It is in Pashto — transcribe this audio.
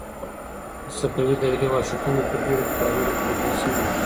د صفوي دورې وحشتونه په ډېرو کتابونو کې لیکل شوي دي.